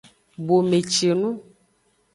Bomecinu.